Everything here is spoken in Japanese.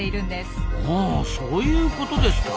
あそういうことですか。